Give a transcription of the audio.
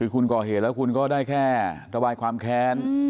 คุณก่อเหตุแล้วคุณก็ได้แค่ระบายความแค้น